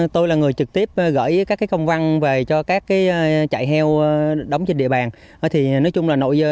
tôi là người trực tiếp gửi các công văn về cho các chạy heo đóng trên địa bàn